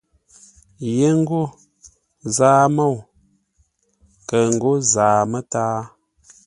Yé ńgó «Zaa-môu» kəʉ ńgó «Zaa-mə́táa».